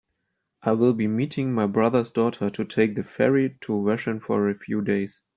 I will be meeting my brother's daughter to take the ferry to Vashon for a few days.